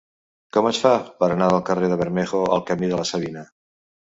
Com es fa per anar del carrer de Bermejo al camí de la Savina?